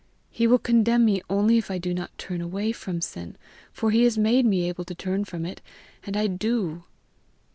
He will condemn me only if I do not turn away from sin, for he has made me able to turn from it, and I do."